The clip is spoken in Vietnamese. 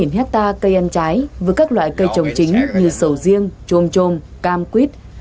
hiện có trên ba hectare cây ăn trái với các loại cây trồng chính như sầu riêng chôm chôm cam quýt